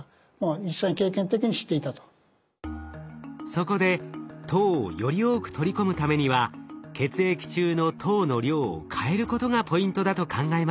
そこで糖をより多く取り込むためには血液中の糖の量を変えることがポイントだと考えました。